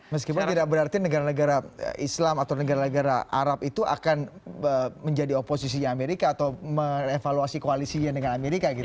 meskipun tidak berarti negara negara islam atau negara negara arab itu akan menjadi oposisinya amerika atau mengevaluasi koalisinya dengan amerika gitu